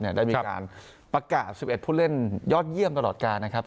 ได้มีการประกาศ๑๑ผู้เล่นยอดเยี่ยมตลอดการนะครับ